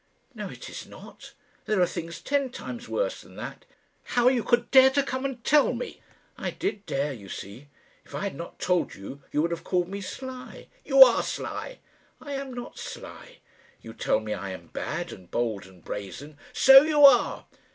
"No, it is not. There are things ten times worse than that." "How you could dare to come and tell me!" "I did dare, you see. If I had not told you, you would have called me sly." "You are sly." "I am not sly. You tell me I am bad and bold and brazen." "So you are."